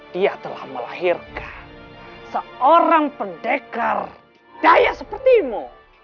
dia telah melahirkan seorang pendekar daya sepertimu